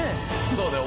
そうだよ。